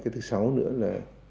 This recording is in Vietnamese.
thứ sáu nữa là